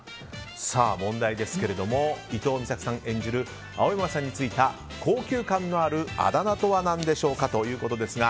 さあ問題ですけれども伊東美咲さん演じる青山さんについた高級感のあるあだ名とは何でしょうかと。